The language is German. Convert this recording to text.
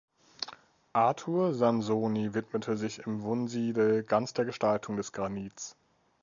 Artur Sansoni widmete sich in Wunsiedel ganz der Gestaltung des Granits.